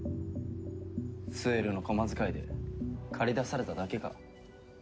スエルの小間使で駆り出されただけか？